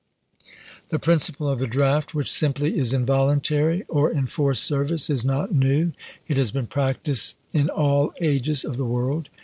" The principle of the draft, which simply is in voluntary or enforced service, is not new. It has been practiced in all ages of the world.